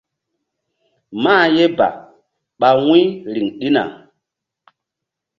Mah ye ba ɓa wu̧y riŋ ɗina.